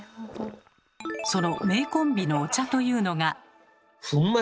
その名コンビのお茶というのが。